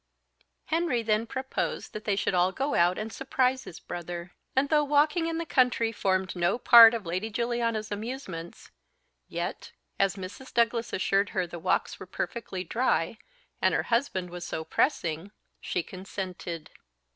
Henry then proposed that they should all go out and surprise his brother; and though walking in the country formed no part of Lady Juliana's amusements, yet, as Mrs. Douglas assured her the walks were perfectly dry, and her husband was so pressing, she consented.